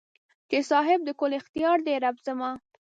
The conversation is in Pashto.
چې صاحب د کل اختیار دې رب زما